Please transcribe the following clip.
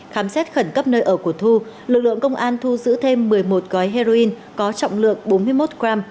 khám xét khẩn cấp nơi ở của thu lực lượng công an thu giữ thêm một mươi một gói heroin có trọng lượng bốn mươi một g